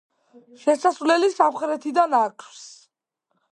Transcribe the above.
შესასვლელი სამხრეთიდან აქვს.